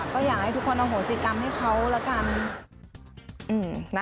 ก็อยากให้ทุกคนอโหสิกรรมให้เขาแล้วกัน